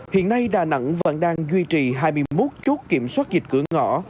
hiện nay đà nẵng vẫn đang duy trì hai mươi một chốt kiểm soát dịch cửa ngõ